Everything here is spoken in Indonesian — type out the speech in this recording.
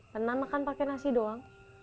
pernah makan pake nasi doang